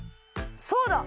そうだ！